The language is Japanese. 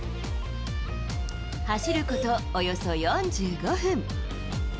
走ることおよそ４５分。